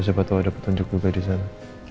siapa tahu ada petunjuk juga disana